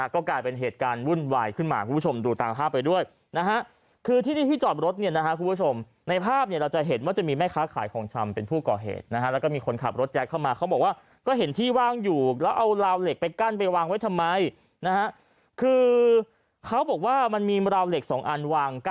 ก็กลายเป็นเหตุการณ์วุ่นวายขึ้นมาคุณผู้ชมดูตามภาพไปด้วยนะฮะคือที่นี่ที่จอดรถเนี่ยนะฮะคุณผู้ชมในภาพเนี่ยเราจะเห็นว่าจะมีแม่ค้าขายของชำเป็นผู้ก่อเหตุนะฮะแล้วก็มีคนขับรถแจ๊กเข้ามาเขาบอกว่าก็เห็นที่ว่างอยู่แล้วเอาราวเหล็กไปกั้นไปวางไว้ทำไมนะฮะคือเขาบอกว่ามันมีราวเหล็ก๒อันวาง